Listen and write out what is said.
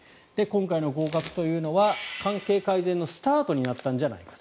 今回の合格というのは関係改善のスタートになったんじゃないか。